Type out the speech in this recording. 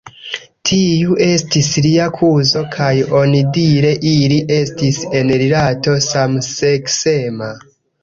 Tiu estis lia kuzo kaj onidire ili estis en rilato samseksema.